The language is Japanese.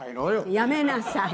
やめなさい。